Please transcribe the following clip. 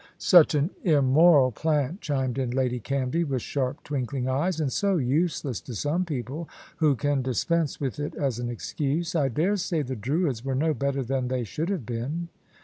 "Such an immoral plant," chimed in Lady Canvey, with sharp, twinkling eyes; "and so useless to some people, who can dispense with it as an excuse. I daresay the Druids were no better than they should have been."